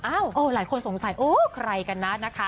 หลายคนสงสัยโอ้ใครกันนะนะคะ